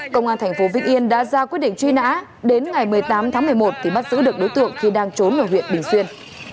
công an thành phố vĩnh yên đã ra quyết định truy nã đến ngày một mươi tám tháng một mươi một thì bắt giữ được đối tượng khi đang trốn ở huyện bình xuyên